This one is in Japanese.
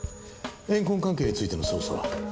怨恨関係についての捜査は？